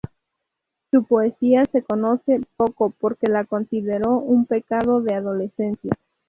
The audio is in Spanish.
Su poesía se conoce poco porque la consideró un pecado de adolescencia.